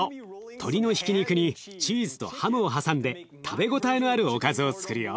鶏のひき肉にチーズとハムを挟んで食べ応えのあるおかずをつくるよ。